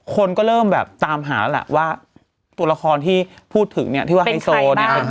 คนก็เริ่มแบบตามหาแล้วแหละว่าตัวละครที่พูดถึงเนี่ยที่ว่าไฮโซเนี่ย